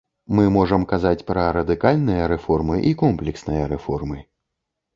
Мы можам казаць пра радыкальныя рэформы і комплексныя рэформы.